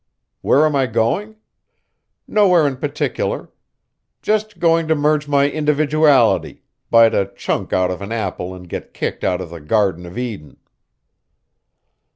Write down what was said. Where am I going? Nowhere in particular. Just going to merge my individuality, bite a chunk out of an apple and get kicked out of the Garden of Eden.